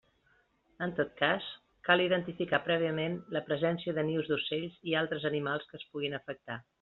En tot cas, cal identificar prèviament la presència de nius d'ocells i altres animals que es puguin afectar.